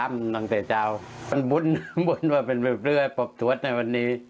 มันบุญบุญว่าเป็นเพื่อปรบถวดในวันนี้